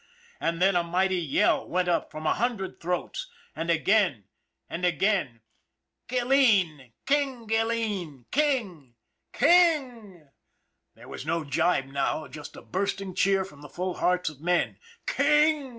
And then a mighty yell went up from a hundred throats and again and again : THE BLOOD OF KINGS 207 " Gilleen ! King Gilleen ! King ! King! " There was no gibe now just a bursting cheer from the full hearts of men. " King!